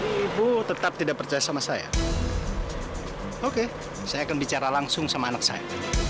jadi ibu tetap tidak percaya sama saya oke saya akan bicara langsung sama anak saya